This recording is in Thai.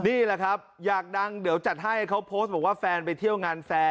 นี่แหละครับอยากดังเดี๋ยวจัดให้เขาโพสต์บอกว่าแฟนไปเที่ยวงานแฟน